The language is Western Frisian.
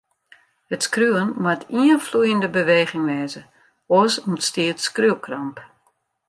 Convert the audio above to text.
It skriuwen moat ien floeiende beweging wêze, oars ûntstiet skriuwkramp.